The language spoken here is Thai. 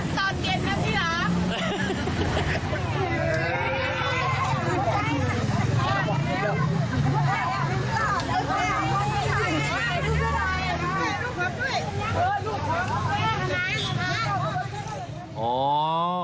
จันตอนเย็นนะพี่หรอ